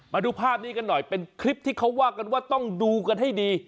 มาดูภาพนี้กันหน่อยเป็นคลิปที่เขาว่ากันว่าต้องดูกันให้ดี